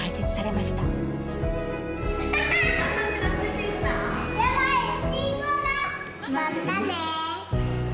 まったねー。